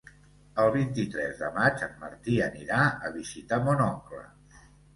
El vint-i-tres de maig en Martí anirà a visitar mon oncle.